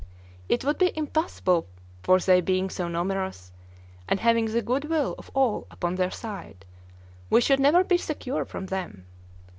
It would be impossible for they being so numerous, and having the good will of all upon their side, we should never be secure from them.